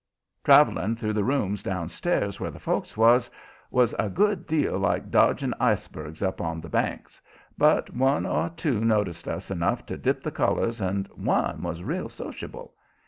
Travelling through the rooms down stairs where the folks was, was a good deal like dodging icebergs up on the Banks, but one or two noticed us enough to dip the colors, and one was real sociable.